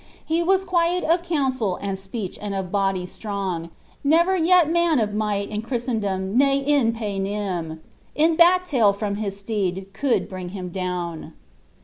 He was quiet or couQsel and epeecli >iiil of body stiong. Never yel man of might in Chriaiendoni ne in Payniin, In batiail from bia fttced could bring luin down.